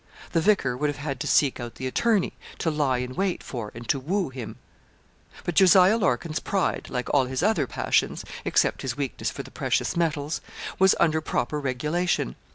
The vicar would have had to seek out the attorney, to lie in wait for and to woo him. But Jos. Larkin's pride, like all his other passions except his weakness for the precious metals was under proper regulation.